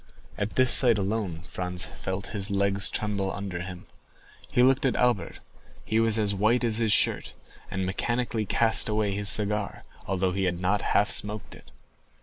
At this sight alone Franz felt his legs tremble under him. He looked at Albert—he was as white as his shirt, and mechanically cast away his cigar, although he had not half smoked it.